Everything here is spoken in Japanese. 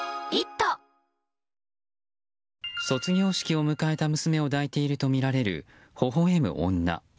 卒業式を迎えた娘を抱いているとみられるほほ笑む女。